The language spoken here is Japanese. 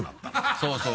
そうそう。